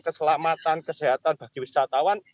keselamatan kesehatan bagi wisatawan